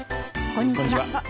こんにちは。